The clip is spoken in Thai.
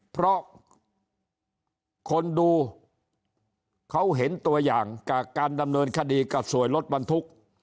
เพราะคนดูเขาเห็นตัวอย่างกับการดำเนินคดีกับสวยรถบรรทุก